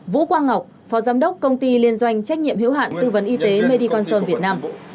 vũ quang ngọc phó giám đốc công ty liên doanh trách nhiệm hiếu hạn tư vấn y tế mediconsol việt nam